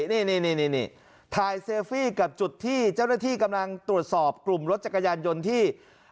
นี่ถ่ายเซลฟี่กับจุดที่เจ้าหน้าที่กำลังตรวจสอบกลุ่มรถจักรยานยนต์ที่